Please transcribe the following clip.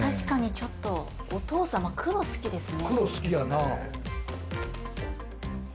確かにちょっとお父様、黒好きですね。